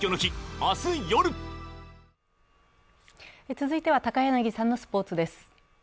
続いては高柳さんのスポーツです。